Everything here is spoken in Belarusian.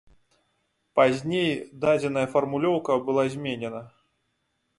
Пазней дадзеная фармулёўка была зменена.